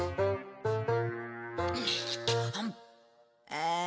ああ。